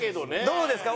どうですか？